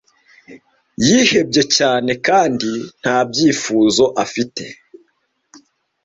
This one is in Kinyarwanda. Yihebye cyane kandi nta byifuzo afite.